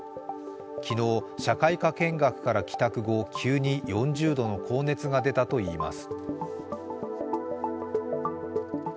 昨日、社会科見学から帰宅後、急に４０度の高熱が出たといいます。